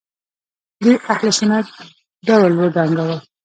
دوی اهل سنت ډول وډنګاوه